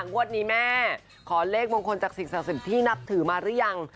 งวดนี้แม่ขอเลขมงคลจากสิ่งศักดิ์สิทธิ์ที่นับถือมาหรือยัง